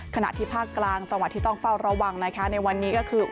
ขณะที่ภาคกลางจังหวัดที่ต้องเฝ้าระวังนะคะในวันนี้ก็คือ